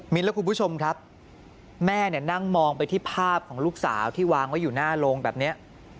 และคุณผู้ชมครับแม่เนี่ยนั่งมองไปที่ภาพของลูกสาวที่วางไว้อยู่หน้าโรงแบบนี้